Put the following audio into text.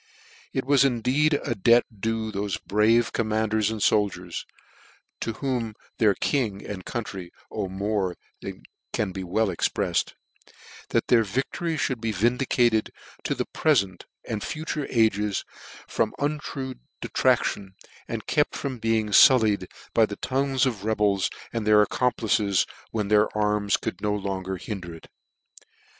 " It was indeed a debt due to thofe brave com manders and foldiers (to whom their king and country owe more than can be wellexprefled) that their victory (hould be vindicated to the prefent and future ages, from untrue detraction, and kept from being fullied by the tongues of rebels and their accomplices, when their arms could no longer hinder it.